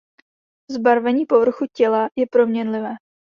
Zbarvení povrchu těla je proměnlivé.